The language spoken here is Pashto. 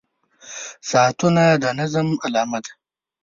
• ساعتونه د نظم علامه ده.